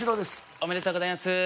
おめでとうございます。